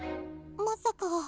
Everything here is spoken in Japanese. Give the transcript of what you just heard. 「まさか」。